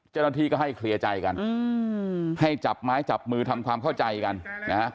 เจ้าหน้าที่ก็ให้เคลียร์ใจกันให้จับไม้จับมือทำความเข้าใจกันนะฮะ